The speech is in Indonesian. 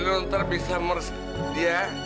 lo ntar bisa meresip dia